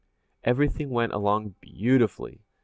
_] Everything went along beautifully.